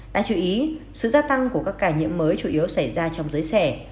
đã chú ý sự gia tăng của các ca nhiễm mới chủ yếu xảy ra trong giới xẻ